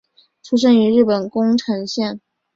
出生于日本宫城县。